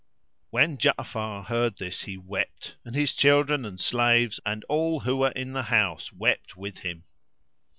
When Ja'afar heard this he wept, and his children and slaves and all who were in the house wept with him.